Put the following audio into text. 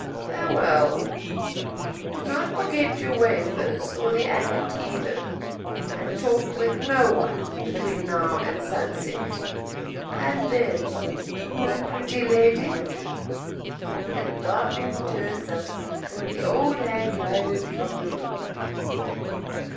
Farewell. Do not forget your wafers, or the agate either, and talk with no one between now and sunset. And then my pretty lady!' And laughing to herself, the old hag glided from the room.